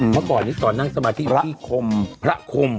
เมื่อก่อนนี้ตอนนั่งสมาธิพระนิคมพระคม